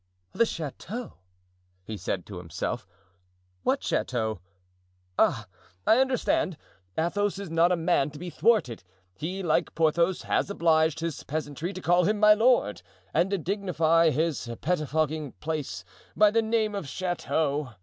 "The chateau!" he said to himself, "what chateau? Ah, I understand! Athos is not a man to be thwarted; he, like Porthos, has obliged his peasantry to call him 'my lord,' and to dignify his pettifogging place by the name of chateau.